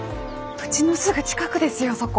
うちのすぐ近くですよそこ。